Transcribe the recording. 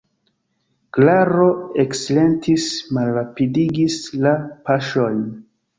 Klaro eksilentis, malrapidigis la paŝojn.